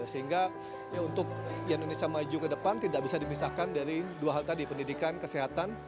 sehingga untuk indonesia maju ke depan tidak bisa dipisahkan dari dua hal tadi pendidikan kesehatan